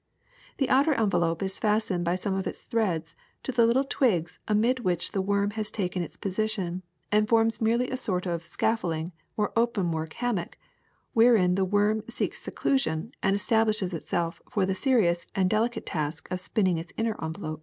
^'The outer envelop is fastened by some of its threads to the little twigs amid which the worm has taken its position, and forms merely a sort of scaf folding or openwork hammock wherein the worm seeks seclusion and establishes itself for the serious and delicate task of spinning its inner envelop.